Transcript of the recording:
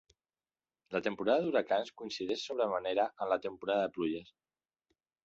La temporada d'huracans coincideix sobre manera amb la temporada de pluges.